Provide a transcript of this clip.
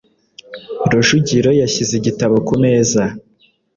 Rujigiro yashyize igitabo ku meza.